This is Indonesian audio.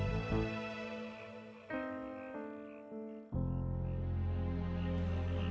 enggak enggak enggak